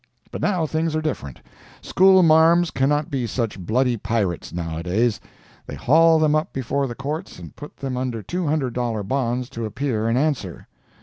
But now things are different. School marms cannot be such bloody pirates nowadays. They haul them up before the Courts and put them under $200 bonds to appear and answer.